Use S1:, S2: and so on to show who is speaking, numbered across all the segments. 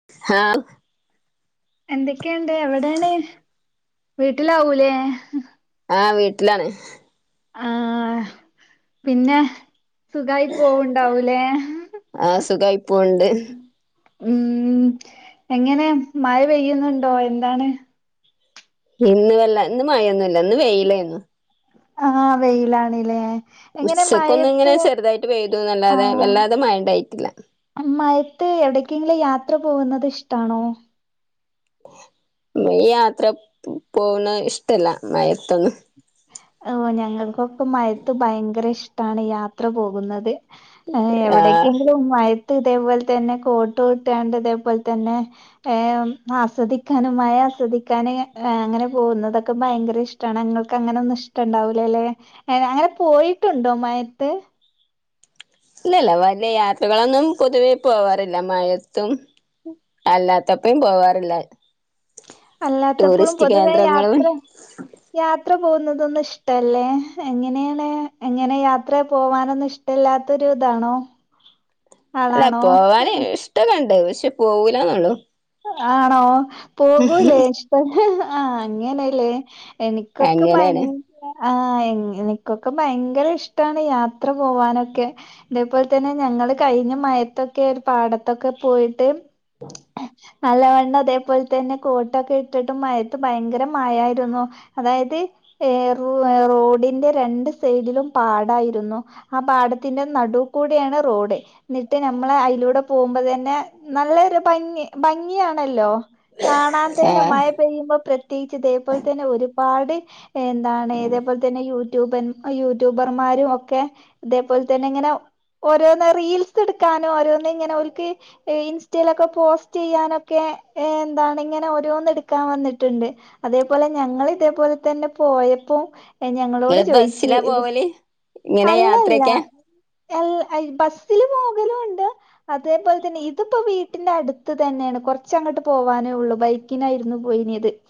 S1: [unintelligible]
S2: എന്തൊക്കെണ്ട് എവിടേണ് വീട്ടിലാവുലേ
S1: ആഹ് വീട്ടിലാണ്
S2: ആഹ് പിന്നെ സുഖായി പോവ്ണ്ടാവൂലേ
S1: ആ സുഖായി പോണ്ട്
S2: ഉം എങ്ങനെ മഴ പെയ്യുന്നുണ്ടോ എന്താണ്?
S1: ഇന്ന് വല്ല ഇന്ന് മഴയൊന്നല്ല ഇന്ന് വെയിലേന്ന്.
S2: ആഹ് വെയിലാണ് ലേ
S1: ഉച്ചക്കൊന്ന് ങ്ങനെ ചെറുതായിട്ട് പെയ്തുന്നല്ലാതെ വല്ലാതെ മയണ്ടായിട്ടില്ല.
S2: മയത്ത് എവിടക്കെങ്കിലും യാത്ര പോകുന്നത് ഇഷ്ടാണോ?
S1: ഈ യാത്ര പോണ ഇഷ്ടല്ല മയത്തൊന്നും.
S2: ഓ ഞങ്ങൾക്കൊക്കെ മയത്ത് ഭയങ്കര ഇഷ്ടാണ് യാത്ര പോകുന്നത്.
S1: ആ
S2: എവടക്കെങ്കിലും ഉം മയത്ത് ഇതേപോലെ തന്നെ, കോട്ടൂ ട്ട്കാണ്ട് ഇതേപോലെ തന്നെ, ഏഹ് ആസ്വദിക്കാന് മയ ആസ്വദിക്കാന് അങ്ങന പോകുന്നതൊക്കെ ഭയങ്കര ഇഷ്ട്ടാണ് ഞങ്ങൾ ഇങ്ങക്കങ്ങനൊന്നും ഇഷ്ടണ്ടാവൂലലെ. അങ്ങനെ പോയിട്ടുണ്ടോ മയത്ത്?
S1: ഇല്ലല്ല വലിയ യാത്രകളൊന്നും പൊതുവേ പോവാറില്ല മഴത്തും അല്ലാത്തപ്പയും പോവാറില്ല.
S2: അല്ലാത്തപ്പോളും
S1: ടൂറിസ്റ്റ്
S2: പൊതുവെ
S1: കേന്ദ്രങ്ങളും
S2: യാത്ര യാത്ര പോവുന്നതൊന്നും ഇഷ്ടല്ലേ എങ്ങനെണ്? എങ്ങനെ യാത്ര പോവാനൊന്നും ഇഷ് ഷ്ടല്ലാത്തൊരു ഇതാണോ
S1: അല്ല
S2: ആളാണോ?
S1: പോവാന് ഇഷ്ട്ടക്കേണ്ട് പക്ഷെ പോവൂല്ലന്ന്ള്ളു.
S2: ആണോ പോകൂലേ ഇഷ്ട ആഹ് അങ്ങനെല്ലേ എനിക്കൊക്കെ ഭയ
S1: അങ്ങനെയാണ്
S2: ആഹ് എ എനിക്കൊക്കെ ഭയങ്കര ഇഷ്ടാണ് യാത്ര പോവാനൊക്കെ. ഇതേപോലെ തന്നെ ഞങ്ങള് കഴിഞ്ഞ മയത്തൊക്കെ ഒര് പാടത്തൊക്കെ പോയിട്ട്,
S1: [unintelligible]
S2: നല്ലവണ്ണം ഇതേപോലതന്നെ കോട്ടൊക്കെ ഇട്ടിട്ടും മയത്ത് ഭയങ്കര മഴായിരുന്നു. അതായത് ഏഹ് റൂ റോഡിന്റെ രണ്ട് സൈഡിലും പാടായിരുന്നു. ആ പാടത്തിന്റെ നടുകൂടെയാണ് റോഡ്. ന്നിട്ട് നമ്മള് അയിലൂടെ പോവുമോമ്പോ തന്നെ നല്ലൊരു ഭംഗി ഭംഗിയാണല്ലോ കാണാൻ
S1: ആ
S2: തന്നെ മയ പെയ്യുമ്പോ പ്രത്യേകിച്ച് ഇതേപോലെ തന്നെ ഒരുപാട് എന്താണ് ഇതേപോലെ തന്നെ യൂ യൂബ യൂട്യൂബർമാരും ഒക്കെ ഇതേപോലെ തന്നെ ഇങ്ങനെ ഓരോന്ന് റീൽസ് എടുക്കാനോ ഓരോന്ന് ഇങ്ങനെ ഓര്ക്ക് ഇൻസ്റ്റയിലൊക്കെ പോസ്റ്റ് റ്റ് ചെയ്യാനൊക്കെ എന്താണ് ഇങ്ങനെ ഓരോന്ന് എടുക്കാൻ വന്നിട്ടുണ്ട്. അതേപോലെ ഞങ്ങള് ഇതേപോലെ തന്നെ പോയപ്പോ ഞങ്ങളോട്
S1: നിങ്ങള്
S2: ചോയിച്ച്
S1: ബസ്സിലാ
S2: ഇത്
S1: പോവല് ഇങ്ങനെ
S2: അല്ലല്ല
S1: യാത്രയൊക്കെ
S2: എൽ ബസ്സില് പോകലുണ്ട് അതേപോലെ തന്നെ ഇതിപ്പോ വീട്ടിന്റെ അടുത്ത് തന്നെയാണ് കുറച്ചങ്ങോട്ട് പോവാനേ ഉള്ളു ബൈക്കിനായിരുന്നു പോയിനത്. [inaudible]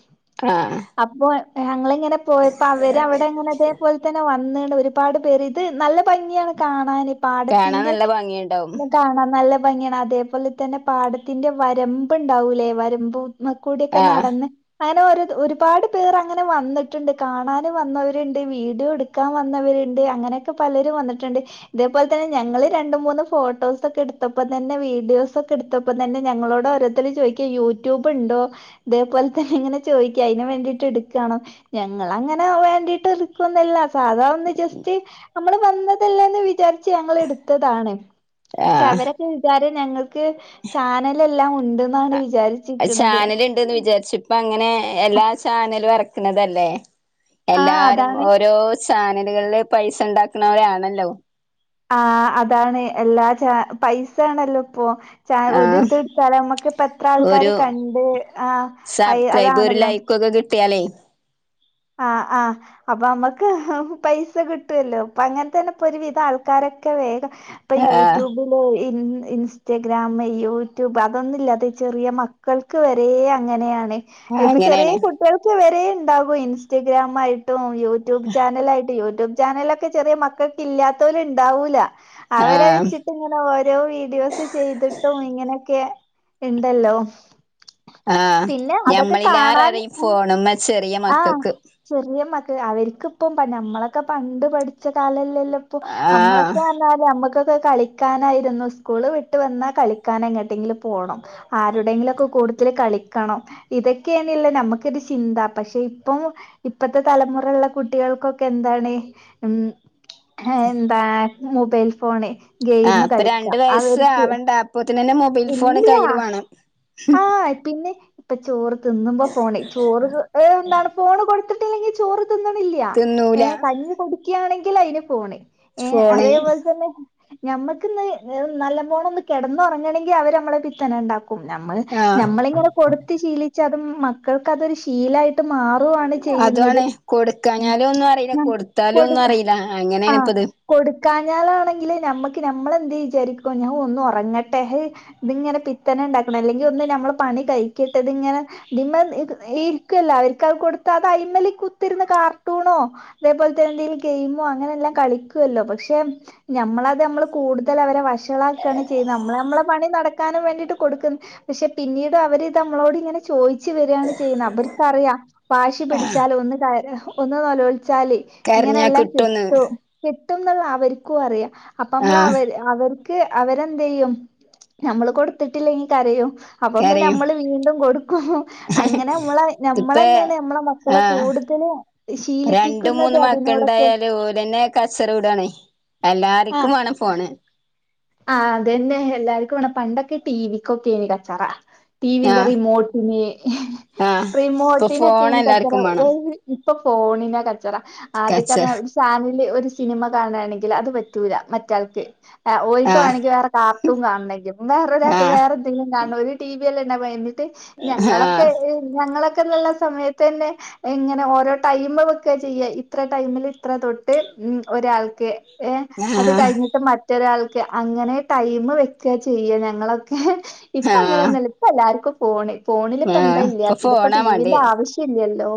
S1: ആഹ്
S2: അപ്പോ ഞങ്ങളിങ്ങനെ പോയപ്പോ അവര് അവിടെങ്ങനെ ഇതേപോലെ തന്നെ വന്ന്ണ് ഒരുപാട് റുത് നല്ല ഭംഗിയാണ് കാണാന്
S1: കാണാൻ
S2: പാടത്തിന്റെ,
S1: നല്ല ഭംഗിയുണ്ടാവും.
S2: കാണാൻ നല്ല ഭംഗിയാണ് അതേപോലെ തന്നെ പാടത്തിന്റെ വരമ്പ് ഉണ്ടാവൂല്ലേ വരമ്പ് ക്കൂടിയൊക്കെ
S1: ആഹ്
S2: നടന്ന് അങ്ങനെ ഒരു ഒരുപാട് പേർ അങ്ങനെ വന്നിട്ടുണ്ട് കാണൻ വന്നവരുണ്ട്, വീഡിയോ എടുക്കാൻ വന്നവരുണ്ട്, ണ്ട് അങ്ങനെയൊക്കെ പലരും വന്നിട്ടുണ്ട്. ഇതേപോലെ തന്നെ ഞങ്ങള് രണ്ടു മൂന്നും ഫോട്ടോസൊക്കെ എടുത്തപ്പതന്നെ വീഡിയോസൊക്കെ തപ്പം തന്നെ ഞങ്ങളോട് ഓരോരുത്തര് ചോയ്ക്കാ യൂട്യൂബ് ഉണ്ടോ ഇതേപോലത്തെ ഇങ്ങനെ ചോയ്ക്കും അയ്നും വേണ്ടിട്ട് എട്ക്കാണോ ഞങ്ങള് അങ്ങനെ വേണ്ടിട്ട് എട്ക്കോന്നല്ല സാധാ ഒന്ന് ജസ് റ്റ് അമ്മള് വന്നതല്ലേന്ന് വിചാരിച്ച് ഞങ്ങള് എടുത്തതാണ് പക്ഷെ
S1: ആഹ്
S2: അവരൊക്കെ കാര്യം ഞങ്ങൾക്ക് ചാനല് എല്ലാം ഉണ്ട്ന്നാണ് വിചാരിച്ചിരിക്ക്‌ണത്
S1: ണ്ട്ന്ന് വിചാരിച്ച് ഇപ്പ അങ്ങനെ എല്ലാ ചാനലും എറക്ക്ണതല്ലേ
S2: ആഹ്
S1: എല്ലാരും
S2: അതാണ്
S1: ഓരോ ചാനലുകളില് പൈസ ഉണ്ടാക്കുന്നവരാണല്ലോ
S2: ആഹ് അതാണ് എല്ലാ ചാ പൈസ ആണല്ലോ ഇപ്പൊ ചാ ഒരിത്
S1: ആഹ്
S2: ഇത് ഇട്ടാല് നമക്ക് ഇപ്പ എത്ര
S1: ഒരു
S2: ആൾക്കാര് കണ്ട് ആഹ് അയ് അതാണല്ലോ
S1: ട്ട്യാലേ
S2: ആഹ് ആഹ് അപ്പൊ അമ്മക്ക് പൈസ കിട്ടുവല്ലോ അപ്പൊ അങ്ങനെ തന്നെ ഇപ്പ ഒരുവിധം ആൾക്കാരൊക്കെ വേഗം ഇപ്പം
S1: ആഹ്
S2: യൂട്യൂബും ഇൻ ഇൻസ്റ്റഗ്രാമ് യൂട്യൂബ് അതൊന്നുംല്ലാതെ ചെറിയ മക്കൾ ക്ക് വെരേ അങ്ങനെയാണ് ഇപ്പൊ ചെറിയ
S1: അങ്ങനേണ്.
S2: കുട്ടികൾക്ക് വരെ ഇണ്ടാകും ഇൻസ്റ്റഗ്രാമായി ട്ടും യൂട്യൂബ് ചാനലായിട്ട് യൂട്യൂബ് ചാനലൊക്കെ ചെറിയ മക്കൾക്ക് ഇല്ലാത്തോല് ഉണ്ടാവൂല അവരെ
S1: ആഹ്
S2: വെച്ചിട്ട് ഇങ്ങനെ ഓരോ വീഡിയോസ് ചെയ്തിട്ടും ഇങ്ങനൊക്കെ ഇണ്ടല്ലോ
S1: ആഹ്
S2: പിന്നെ അതൊക്കെ
S1: ഞമ്മളിലേറെ അറിയും ഈ
S2: കാണാൻ
S1: ഫോണുമ്മേ ചെറിയ
S2: ആഹ്
S1: മക്കക്ക്
S2: ചെറിയ മക്കക്ക് അവർക്കിപ്പം ഞമ്മളൊക്കെ പണ്ട് പഠിച്ച കാലൽ ല്ലല്ലോ ഇപ്പോ
S1: ആഹ്
S2: അമ്മളൊക്കെ പറഞ്ഞാല് അമ്മക് അന്നൊക്കെ കളിക്കാനായിരുന്നു സ്കൂള് വിട്ട് വന്നാ കളിക്കാന് എങ്ങട്ടെങ്കിലുംപോണം ആരുടെങ്കിലൊക്കെ കൂടത്തില് കളിക്കണം ഇതൊക്കെയാനീല്ലോ നമുക്കൊരു ചിന്ത പക്ഷെ ഇപ്പം ഇപ്പത്തെ തലമുറേൽള്ള കുട്ടികൾക്കൊക്കെ എന്താണ് ഉം ഏഹ് എന്താ മൊബൈൽ ഫോണേ
S1: ആഹ് ഇപ്പൊ രണ്ട് വയസ്സ് ആവണ്ട അപ്പൊത്തിനന്നെ മൊബൈൽ ഫോണ്
S2: ഇല്ല്യ
S1: കയ്യില് വേണം
S2: ആഹ് പിന്നെ ഇപ്പ ചോറ് തിന്നുമ്പോ ഫോണ് ചോറ് ഓ എന്താണ് ഫോണ് കൊടുത്തി ല്ലെങ്കിൽ ചോറ് തിന്നണില്ല
S1: തിന്നൂല
S2: ഏഹ് കഞ്ഞി കുടിക്ക്യാണെങ്കിൽ അയിന് ഫോണ് ഏഹ്
S1: ഫോണ്
S2: അതേപോലെത്തന്നെ ഞമ്മക്ക്ന്ന് നല്ല പോണം ഒന്ന് കിടന്നുറങ്ങണെങ്കി അവര് നമ്മളെ പിത്തന ഉണ്ടാക്കും ഞമ്മള്
S1: ആഹ്
S2: ഞമ്മളിങ്ങനെ കൊടുത്ത് ശീലിച്ചാ അതും മക്കൾക്ക് അതൊരു ശീലായിട്ട് മാറും ആണ്
S1: അതുവാണ് കൊടുക്കാഞ്ഞാലും ഒന്നും അറിയില്ല കൊടുത്താലും
S2: കൊടു
S1: ഒന്നും അറിയില്ല അങ്ങനെയാണ്
S2: ആഹ്
S1: ഇപ്പത്
S2: കൊടുക്കാഞ്ഞാലാണെങ്കില് നമ്മക്ക് നമ്മള് എന്ത് വിചാരിക്കും ഞാൻ ഒന്ന് ഒറങ്ങട്ടെ ഇതിങ്ങനെ പിത്തന ഉണ്ടാക്കണം അല്ലെങ്കിൽ ഒന്ന് നമ്മൾ പണി കഴിക്കട്ടെത് ഇങ്ങനെ ഇത് മ്മേ ഇരിക്ക്വല്ല അവർക്ക്ത് കൊടുത്താ അത് അയ്മ്മലി കുത്തിരുന്ന് കാർട്ടൂണോ അതേപോലെത്തെ എന്തെങ്കിലും ഗെയിമോ അങ്ങനെ എല്ലാം കളിക്കുവല്ലോ പക്ഷെ ഞമ്മളത് നമ്മള് കൂടുതൽ അവരെ വഷളാക്ക്വാണ് ചെയ്യുന്നത് നമ്മള് നമ്മളെ പണി നടക്കാനും വേണ്ടിയിട്ട് കൊടുക്കുന്ന് പക്ഷെ പിന്നീട് അവര് ഇത് നമ്മളോട് ഇങ്ങനെ ചോയിച്ച് വര്വാണ് ചെയ്യുന്നത് അവർക്കറിയാം വാശി പിടിച്ചാല് ഒന്ന് ക ഒന്ന് നെലോലിച്ചാല് ഇങ്ങനെ
S1: കരഞ്ഞാ
S2: എല്ലാം
S1: കിട്ടുംന്ന്
S2: കിട്ടും കിട്ടുംന്നുള്ള അവര്ക്കും അറിയാം അപ്പൊ നമ്മൾ
S1: ആഹ്
S2: അവർ അവർക്ക് അവരെന്തെയ്യും ഞമ്മള് കൊടുത്തിട്ടില്ലങ്കി കരയും അപ്പം പിന്നെ
S1: കരയും
S2: നമ്മള് വീണ്ടും കൊടുക്കും അങ്ങനെ നമ്മള്
S1: ഇതിപ്പേ
S2: ഞമ്മളന്നെയാണ് നമ്മളെ മക്കളെ കൂടുതല് ശീലിപ്പിക്കുന്നത്
S1: രണ്ട്മൂന്ന്
S2: അതിനോടൊക്കെ
S1: മക്കളുണ്ടായാല് ഓലന്നെ കച്ചറ കൂടുവാണെ
S2: ആ
S1: എല്ലാര്ക്കും വേണം ഫോണ്
S2: ആഹ് അതന്നെ എല്ലാര്ക്കും വേണം പണ്ടൊക്കെ ടി വി ക്കൊക്കേനി കച്ചറ ടി വിന്റെ
S1: ആഹ്
S2: റിമോട്ടിന്
S1: ആഹ് ഇപ്പൊ
S2: റിമോട്ടിനൊക്കെ
S1: ഫോൺ
S2: ഏനി കച്ചറ
S1: എല്ലാർക്കും വേണം
S2: ഇപ്പൊ ഫോണിനാകച്ചറ ആദ്യക്കെ
S1: കച്ചറ
S2: റഞ്ഞാ ചാനല് ഒരു സിനിമ കാണാണെങ്കിൽ അത് പറ്റൂല മറ്റാൾക്ക് ഒൽക്ക് ഓൽക്ക്
S1: ആഹ്
S2: വേണെങ്കി വേറെ കാർട്ടൂ കാണെനെക്ക വേറെരാക്ക്
S1: ആഹ്
S2: വേറെന്തെങ്കിലും കാണനം ഒരു ടി വിയല്ലെണ്ടാവ എ ട്ട് ഞങ്ങളൊക്കെ
S1: ആഹ്
S2: ഞങ്ങളൊക്കെ നല്ല സമയത്ത്ന്നെ എങ്ങനെ ഓരോ ടൈമ് വെക്കാചെയ്യ ഇത്ര ടൈമില് ഇത്ര തൊട്ട് ഉം ഒരാൾക്ക് ഏഹ് അത്
S1: ആഹ്
S2: കഴിഞ്ഞിട്ട് മറ്റൊരാൾക്ക് അങ്ങനെ ടൈം വെക്ക ചെയ്യാ ഞങ്ങളൊക്കെ ഇപ്പൊ
S1: ആഹ്
S2: അങ്ങനെയൊന്നുമല്ല ഇപ്പ എല്ലാർക്കും ഫോണ് ഫോണിലിപ്പ എന്താ
S1: ആഹ് ഇപ്പൊ
S2: ഇല്ലാത്തത് ഇപ്പ
S1: ഫോണാ
S2: ടിവിന്റെ
S1: വാണ്ടിയെ
S2: ആവശ്യ ല്ലല്ലോ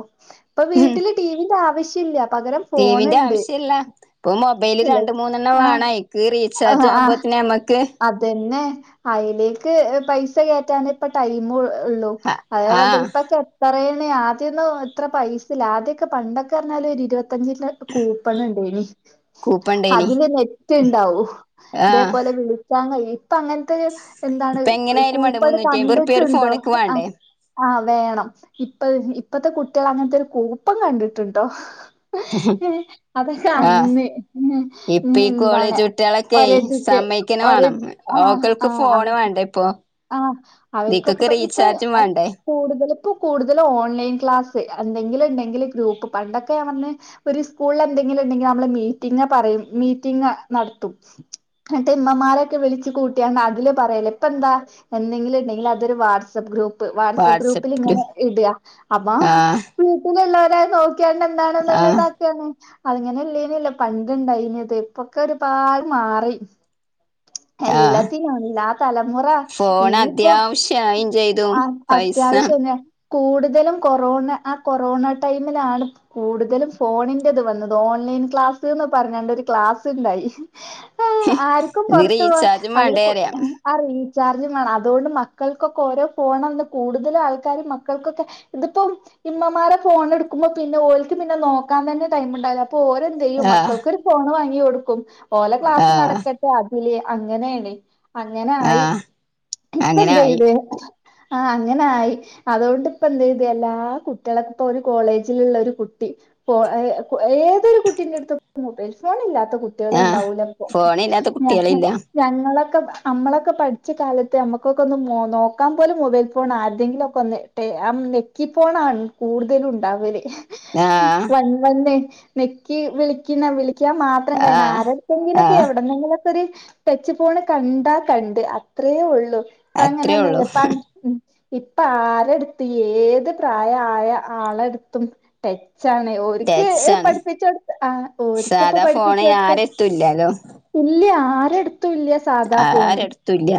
S2: ഇപ്പൊ
S1: ഉം
S2: വീട്ടില് ടിവിന്റെ ആവശ്യം ഇല്ല പകരം
S1: ടിവിന്റെ
S2: ഫോണുണ്ട്
S1: ആവശ്യമില്ല ഇപ്പൊ മൊബൈല് രണ്ട് മൂന്നെണ്ണം
S2: ആഹ്
S1: വേണേയ്
S2: ആഹ് ആഹ് പിന്നെ അതിലേക്ക് പൈസ കയറ്റാനേ ഇപ്പം ടൈമുള്ളൂ ഉള്ളൂ അതേ പോലെ
S1: ആഹ്
S2: ഇപ്പം പറയണെ ആദ്യമൊന്നും എത്ര പൈസല്ല ആദ്യമൊക്കെ പണ്ടൊക്കെ പറഞ്ഞാൽ, ഒരു ഇരുപത്തഞ്ചിന്റെ കൂപ്പൺ ഇണ്ടേഞ്ഞ്
S1: കൂപ്പണ്ടേനി
S2: അതില് നെറ്റ് ഉണ്ടാവു
S1: ആഹ്
S2: ഇതേപോലെ വിളിക്കാൻ കഴിയും ഇപ്പൊ അങ്ങനത്തെ എന്താണ്
S1: ഇപ്പ എങ്ങനെ ആയാലും വേണ്ടേ
S2: കൂപ്പണ്
S1: മുന്നൂറ്റി അമ്പത് റുപ്യ ഒരു
S2: കണ്ടിട്ടുണ്ടോ
S1: ഫോണ്ക്ക്
S2: ആഹ്
S1: വേണ്ടേ
S2: ആഹ് വേണം ഇപ്പ ഇപ്പത്തെ കുട്ടികൾ അങ്ങനത്തെ ഒരു കൂപ്പൺ കണ്ടിട്ടുണ്ടോ അതൊക്കെ
S1: ആഹ്
S2: അന്ന്
S1: ഇപ്പ
S2: ഇന്ന്
S1: ഈ
S2: എന്താണ്
S1: കോളേജ്
S2: [unintelligible]
S1: കുട്ടികളൊക്കെ സമ്മയ്ക്കന്നെ വേണം
S2: ആഹ്
S1: ഓക്കൾക്ക്
S2: ആഹ്
S1: ഫോണ് വേണ്ടേ ഇപ്പൊ
S2: ആഹ്
S1: ഇതിക്കൊക്കെ
S2: അവർക്കൊക്കെ ഇപ്പൊ
S1: റീചാർജും വേണ്ടേ
S2: കൂടുതലിപ്പോ കൂടുതല ഓൺലൈൻ ക്ലാസ് എന്തെങ്കിലും ഉണ്ടെങ്കില് ഗ്രൂപ്പ് പണ്ടൊക്കെ ആണന്നേ ഒരു സ്കൂളിൽ എന്തെങ്കിലും ഉണ്ടെങ്കിൽ നമ്മള് മീറ്റിംഗ് പറയും മീറ്റിംഗ് നടത്തും എന്നിട്ട് ഇമ്മമാരൊക്കെ വിളിച്ച് കൂട്ടിയന്നാ അതില് പറയൽ ഇപ്പ എന്താ എന്തെങ്കിൽ ഇണ്ടെങ്കിൽ അതൊരു വാട്സ്ആപ്പ് ഗ്രൂപ്പ് വാട്ട്സപ്പ് ഗ്രൂപ്പിൽ
S1: വാട്സപ്പിലും
S2: ഇങ്ങനെ ഇട അപ്പ
S1: ആഹ്
S2: വീട്ടിലുള്ളവര നോക്കിയ എന്താ
S1: ആഹ്
S2: [unintelligible] അങ്ങനെ ഇല്ലേനല്ല പണ്ട്ഇണ്ടായിനെത് ഇപ്പൊക്കെ ഒരുപാട് മാറി
S1: ആഹ്
S2: എല്ലാത്തും എല്ലാ തലമുറ
S1: ഫോൺ
S2: ഇനിയിപ്പേ
S1: അത്യാവശ്യായും ചെയ്തു
S2: ആ
S1: പൈസ
S2: അത്യാവശ്യം എന്ന കൂടുതലും കൊറോണ ആ കൊറോണ ടൈമിലാണ് കൂടുതലും ഫോണിന്റെത് വന്നത് ഓൺലൈൻ ക്ലാസ്ന്ന് പറഞ്ഞോണ്ട് ഒരു ക്ലാസ് ഇണ്ടായി ആഹ് ആർക്കും
S1: ഇത്
S2: പുറത്ത് പോവാ
S1: റീചാർജും
S2: അതിൽ
S1: വേണ്ടേ
S2: [unintelligible]
S1: പറയാ
S2: ആ റീചാർജും വേണം അതുകൊണ്ട് മക്കൾക്കൊക്കെ ഓരോ ഫോണന്ന് കൂടുതലും ആൾക്കാര് മക്കൾക്കൊക്കെ ഇതിപ്പോം ഇമ്മമാരെ ഫോണ് എടുക്കുമ്പോ പിന്നെഓൽക്ക് പിന്നെ നോക്കാൻ തന്നെ ടൈം ഉണ്ടാവില്ല അപ്പൊ ഓരോ എന്തെയ്യും
S1: ആഹ്
S2: മക്കൾക്കൊരു ഫോൺ വാങ്ങി കൊടുക്കും ഓലെ ക്ലാസ്
S1: ആഹ്
S2: നടക്കട്ടെ അതില് അങ്ങനെയാണ് അങ്ങനായി
S1: ആഹ്
S2: ഇപ്പ
S1: അങ്ങനെ
S2: എന്ത്
S1: ആയി
S2: ചെയ്ത് ആഹ് അങ്ങനായി അതുകൊണ്ട് ഇപ്പ എന്ത ചെയ്ത് എല്ലാ കുട്ടികളക്കും ഇപ്പ ഒരു കോളേജിലുള്ള ഒരു കുട്ടി ഏതൊരു കുട്ടീന്റെ അടുത്ത് മൊബൈൽ ഫോൺ ഇല്ലാത്ത കുട്ടിക
S1: ആഹ്
S2: ണ്ടാവുല്ലപ്പൊ
S1: ഫോണില്ലാത്ത
S2: ഞാൻ
S1: കുട്ടികളില്ല
S2: ഞങ്ങളൊക്കെ നമ്മളൊക്കെ പഠിച്ച കാലത്ത് നമ്മുക്കൊക്കെ ഒന്ന് നോക്കാൻ പോലും മൊബൈൽ ഫോൺ ആര ടേങ്കിലും ഒക്കെ ഒന്ന് ആഹ് നെക്കി ഫോണാണ് കൂടുതലും ഉണ്ടാവല്
S1: ആഹ്
S2: അന്നന്നെ നെക്കി വിളിക്കുന്ന വിളിക്കാ മാത്രം വേണം
S1: ആഹ്
S2: ആരെടുത്തെങ്കിലുമെടുത്ത്
S1: ആഹ്
S2: എന്നെങ്കിലൊക്കെ ഒരു ടച്ച് ഫോണ് കണ്ടാ കണ്ട് അത്രേ ഉള്ളു ഇപ്പ
S1: അത്രേ ഉള്ളൂ
S2: അങ്ങനൊന്നല്ലേ ഇപ്പ ഉം ഇപ്പ ആരെട്ത്ത് ഏത് പ്രായ ആയ ആളെട്ത്തും തെ ച്ചാണേ ഓര്ക്ക്
S1: ടച്ച് ആണ്
S2: പഠിപ്പിച്ചൊട്ത്ത് ആ ഓര്ക്ക് പ്പ പഠിപ്പിച്ചൊട്ത്ത
S1: ത്തും ഇല്ലാലോ
S2: ഇല്ല്യ ആരെട്ത്തും ഇല്ല്യ സാദാ ഫോണ്
S1: ആരെടുത്തുല്ല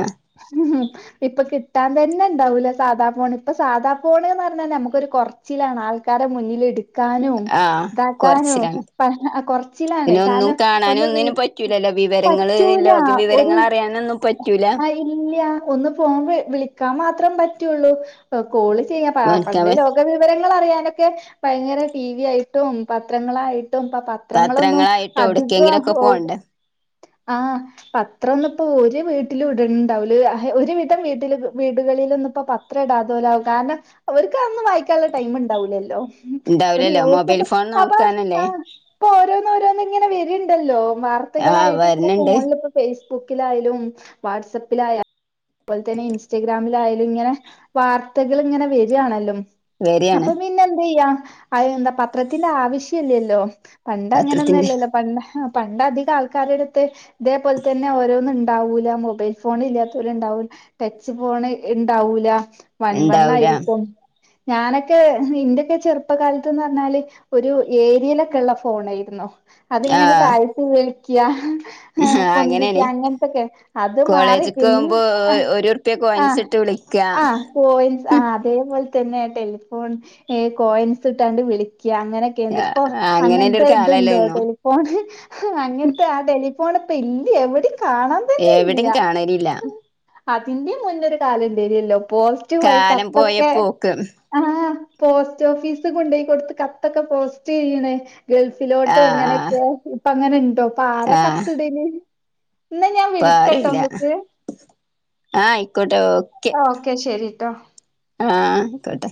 S2: ഇപ്പൊ കിട്ടാൻ തന്നെ ഉണ്ടാവൂല സാദാ ഫോണ് ഇപ്പൊ സാദാ ഫോണ്ന്ന് പർഞ്ഞാ നമുക്കൊരു കൊർ ച്ചിലാണ് ആൾക്കാരെ മുന്നില്ട് ക്കാനും
S1: ആഹ്
S2: ഇതാക്കാനും
S1: കൊറച്ചിലാണ്
S2: പ കൊർച്ചിലാണ്
S1: പിന്നെ ഒന്നും
S2: കാര്ണം
S1: കാണാനും
S2: ഒന്ന് വ്
S1: ഒന്നിനും പറ്റൂലല്ലോ വിവരങ്ങള്
S2: പറ്റൂലാ
S1: ലോക
S2: ഒരു
S1: വിവരങ്ങൾ അറിയാനൊന്നും പറ്റൂല
S2: [unintelligible] ഇല്ല്യാ ഒന്ന് ഫോൺ വ് വിളിയ്ക്കാൻ മാത്രം പറ്റൊള്ളൂ ആ കോള് ചെയ്യാ പാ
S1: ഓൽക്കവൻ
S2: പണ്ടേലോ ഇപ്പ വിവരങ്ങൾ അറിയാനൊക്കെ ഭയങ്കര ടി വി ആയിട്ടും പത്രങ്ങളായിട്ടും ഇപ്പ പ
S1: പാത്രങ്ങളായിട്ട് എവ്ട്ക്കേങ്കിലൊക്കെ പോണ്ടേ
S2: ആഹ് പത്രം ഒന്നും ഇപ്പോ ഒരു വീട്ട്ലും ഇട്ണ് ണ്ടാവൂല ഒരുവിധം വീട്ട്ലും വീടുകളിലൊന്നും ഇപ്പോ പത് ത്രം ടാത്തോലാവും കാര്ണം ഓര്ക്ക് അതൊന്നും വായിക്ക് ക്കാള്ള ടൈം ണ്ടാവൂലല്ലോ ഇപ്പഞ്ഞി
S1: ഉണ്ടാവൂലല്ലോ മൊബൈൽ
S2: യുറ്റൂബ്
S1: ഫോൺ
S2: അപ്പ
S1: നോക്കാനല്ലേ
S2: ആ ണ്ടല്ലോ
S1: ആഹ്
S2: വാർത്തകളായിട്ട് ങ്ങനെ
S1: വരണണ്ട്
S2: ഫോണ്ലിപ്പോ ഫേസ്ബുക്കിലായാലും വാട്സപ്പിലായാലും അത് പോൽ തന്നെ ഇൻസ്റ്റഗ്രാമിലായാലും ഇങ്ങനെ വാർത്തകള് ഇങ്ങനെ വരാണല്ലോ
S1: വരിയാണ്
S2: അപ്പൊ പിന്നെ എന്ത്യ്യാ അത് എന്താ പത്രത്തിന്റെ ആവശ്യല്ലല്ലോ പണ്ട്
S1: പത്രത്തിന്റെ
S2: അങ്ങനൊന്നുംല്ലല്ലോ പണ്ട് പണ്ട് അധികം ആൾക്കാരടുത്ത് ഇതേപോൽ തന്നെ ഓരോന്ന് ണ്ടാവൂല മൊബൈൽ ഫോണ് ഇല്ലാത്തോര്ണ്ടാവും ടച്ച് ഫോണ് ഇണ്ടാവൂല
S1: ഉണ്ടാവൂല
S2: വൺവണ്ണായിരിയ്ക്കും ഞാനൊക്കെ ഇന്റെക്കെ ചെർപ്പകാലത്ത്ന്നർഞ്ഞാല് ഒരു ഏരിയലൊക്കെള്ള ഫോണേയ്ര്ന്നു അതിങ്ങനെ
S1: ആഹ്
S2: താഴ്ത്തി വിളിക്ക്യാ ആ പൊന്തീറ്റ്
S1: അങ്ങനെയാണ്
S2: അങ്ങൻത്തൊക്കെ അത് മാറി
S1: കോളേജ്ക്ക്
S2: പിന്നെ
S1: പോകുമ്പോ
S2: ആ ആ
S1: ക്ക്യാ
S2: ആ കോയിൻസ് ആ അതേപോൽ തന്നെ ടെലിഫോൺ ഏ കോയൻസ് ഇട്ടാണ്ട് വിളിക്യാ അങ്ങനെ ക്കേന്ന് ഇപ്പൊ
S1: അങ്ങനെല്ല
S2: അങ്ങൻത്തെ
S1: ഒരു
S2: ഇത്ണ്ടോ
S1: കാലല്ലായിരുന്നോ
S2: ടെലിഫോൺ ഹാ അങ്ങൻത്തെ ആ ടെലിഫോണ് ഇപ്പ ഇല്ല്യാ എവ്ടിം കാണാൻ
S1: എവ്ടിം കാണലില്ല
S2: അതിന്റിം മുന്നൊര് കാലംണ്ടേയ്നല്ലോ പോസ്റ്റ് വയി
S1: കാലം പോയ
S2: കത്തോക്കെ
S1: പോക്ക്
S2: ആ പോസ്റ്റ് ഓഫീസ് കൊണ്ടോയി കൊട്ത്ത് കത്തൊക്കെ പോസ്റ്റ് ചെയ്യ്ണേ ഗൾഫിലോട്ടും
S1: ആഹ്
S2: ങ്ങനൊക്കെ ഇപ്പ അങ്ങനെണ്ടോ ഇപ്പ ആരാ
S1: ആഹ് ആഹ്
S2: കത്ത്ടല് ഇന്നാ ഞാൻ വിളിക്കട്ടോ
S1: ഇപ്പാരുല്ല
S2: ങ്ങക്ക്
S1: ആഹ് ആയിക്കോട്ടെ
S2: ആ ഓ ഓക്കേ ശരിട്ടോ
S1: ആ അയ്ക്കോട്ടെ